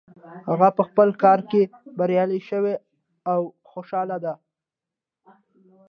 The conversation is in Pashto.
هغه په خپل کار کې بریالی شو او خوشحاله ده